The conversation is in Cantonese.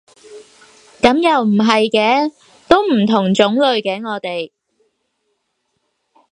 噉又唔係嘅，都唔同種類嘅我哋